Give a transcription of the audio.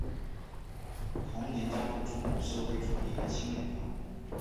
同年加入中国社会主义青年团。